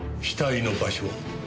死体の場所は？